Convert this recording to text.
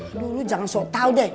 aduh lo jangan sok tau deh